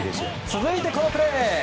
続いてこのプレー。